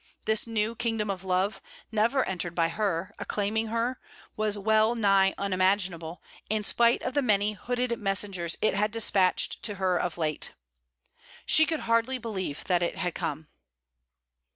This new kingdom of love, never entered by her, acclaiming her, was well nigh unimaginable, in spite of the many hooded messengers it had despatched to her of late. She could hardly believe that it had come.